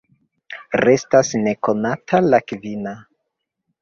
Restas nekonata la kvina.